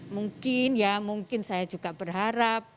mungkin ya mungkin saya juga berharap